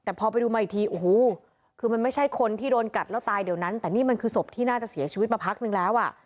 แต่พอไปดูมาอีกทีโอ้โหคือมันไม่ใช่คนที่โดนกัดแล้วตายเดี๋ยวนั้นแต่นี่มันคือศพที่น่าจะเสียชีวิตมาพักนึงแล้วอ่ะ